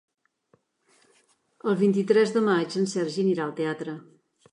El vint-i-tres de maig en Sergi anirà al teatre.